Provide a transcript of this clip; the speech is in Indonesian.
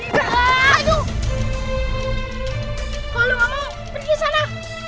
kalo lu gak mau pergi sana